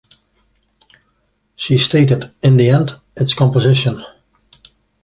She stated, In the end, it's composition.